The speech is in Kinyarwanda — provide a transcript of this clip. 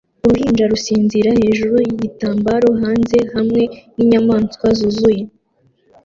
Uruhinja rusinzira hejuru yigitambaro hanze hamwe ninyamaswa zuzuye